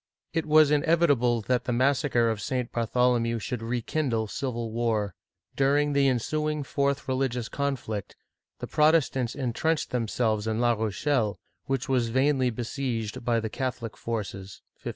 It was inevitable that the massacre of St. Bartholomew should rekindle civil war. During the ensuing fourth re ligious conflict, the Protestants intrenched themselves in La Rochelle, which was vainly besieged by the Catholic forces (1573).